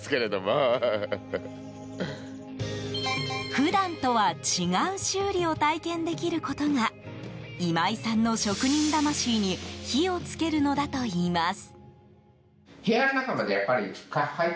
普段とは違う修理を体験できることが今井さんの職人魂に火をつけるのだといいます。